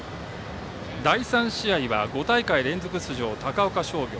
第３試合は、５大会連続出場高岡商業。